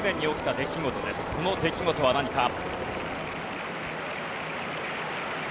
この出来事は何か？